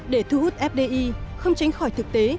để thú hút fdi không tránh khỏi thực tế